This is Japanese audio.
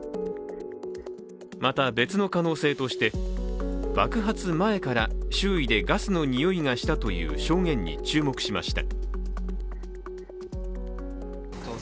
また、別の可能性として爆発前から周囲でガスの臭いがしたという証言に注目しました。